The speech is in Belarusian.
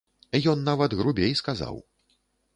Ён нават грубей сказаў.